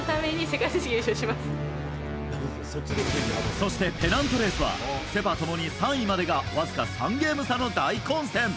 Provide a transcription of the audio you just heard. そして、ペナントレースはセ・パ共に３位までがわずか３ゲーム差の大混戦。